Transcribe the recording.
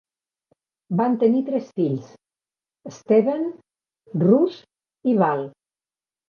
Van tenir tres fills: Steven, Russ i Val.